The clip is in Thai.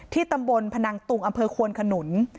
ตำบลพนังตุงอำเภอควนขนุน